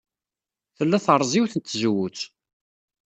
Tella terreẓ yiwet n tzewwut.